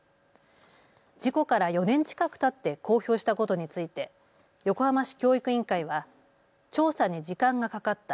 事故から４年近くたって公表したことについて横浜市教育委員会は調査に時間がかかった。